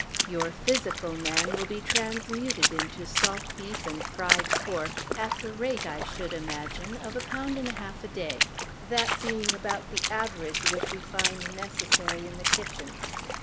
Your physical man will be transmuted into salt beef and fried pork, at the rate, I should imagine, of a pound and a half a day; that being about the average which we find necessary in the kitchen.